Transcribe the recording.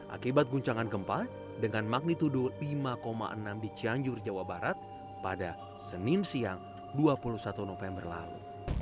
akibat guncangan gempa dengan magnitudo lima enam di cianjur jawa barat pada senin siang dua puluh satu november lalu